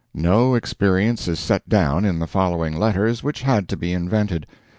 No experience is set down in the following letters which had to be invented.